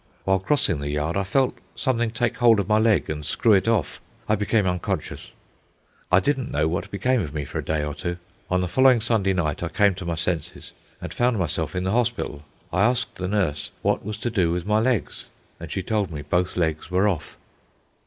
While crossing the yard I felt something take hold of my leg and screw it off. I became unconscious; I didn't know what became of me for a day or two. On the following Sunday night I came to my senses, and found myself in the hospital. I asked the nurse what was to do with my legs, and she told me both legs were off.